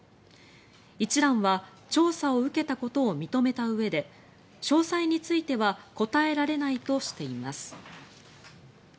一蘭は調査を受けたことを認めたうえで詳細については答えられないとしています。